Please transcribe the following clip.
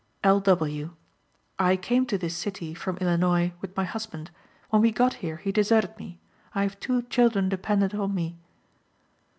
L. W.: "I came to this city, from Illinois, with my husband. When we got here he deserted me. I have two children dependent on me."